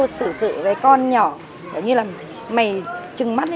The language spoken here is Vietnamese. sao cháu lại đánh tao thế